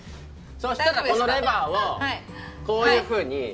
そしたらこのレバーをこういうふうに。